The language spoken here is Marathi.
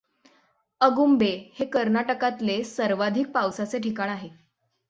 अगुंबे हे कर्नाटकातले सर्वाधिक पावसाचे ठिकाण आहे.